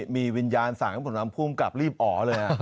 มีวิญญาณสาหรับผู้นำภูมิกลับรีบอ๋อเลย